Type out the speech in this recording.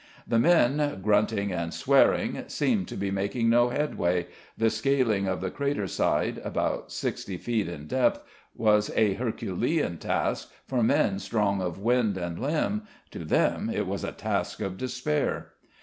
The men, grunting and swearing, seemed to be making no headway, the scaling of the craterside, about sixty feet in depth, was a Herculean task for men strong of wind and limb, for them it was a task of despair.